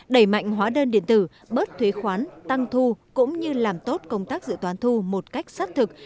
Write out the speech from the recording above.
đẩy mạnh hóa đơn điện tử bớt thuế khoán tăng thu cũng như làm tốt công tác dự toán thu một cách sát thực